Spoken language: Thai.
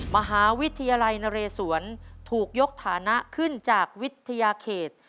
มหาวิทยาลัยนเรศวรถูกยกฐานะขึ้นจากวิทยาเขต